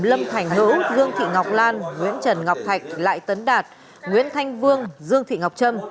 lâm thành hữu dương thị ngọc lan nguyễn trần ngọc thạch lại tấn đạt nguyễn thanh vương dương thị ngọc trâm